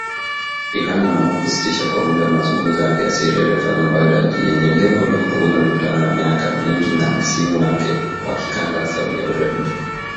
Iran imeamua kusitisha kwa muda mazungumzo yake ya siri yaliyofanywa na Baghdad, yenye lengo la kupunguza mivutano ya miaka mingi na hasimu wake wa kikanda Saudi Arabia